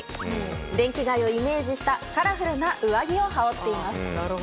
電気街をイメージしたカラフルな上着を羽織っています。